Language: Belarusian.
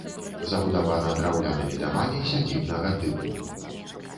Забудавана драўлянымі дамамі сядзібнага тыпу.